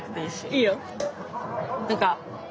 いいよ。